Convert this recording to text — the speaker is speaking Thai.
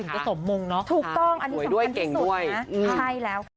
ถึงก็สมมงค์เนอะถูกต้องอันนี้สำคัญที่สุดนะ